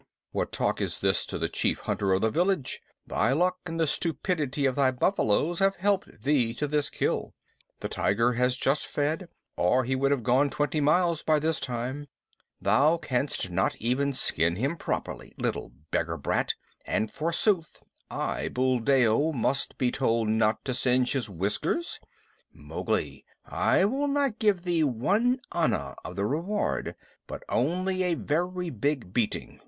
"What talk is this to the chief hunter of the village? Thy luck and the stupidity of thy buffaloes have helped thee to this kill. The tiger has just fed, or he would have gone twenty miles by this time. Thou canst not even skin him properly, little beggar brat, and forsooth I, Buldeo, must be told not to singe his whiskers. Mowgli, I will not give thee one anna of the reward, but only a very big beating.